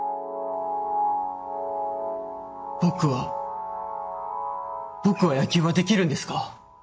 僕は僕は野球はできるんですか？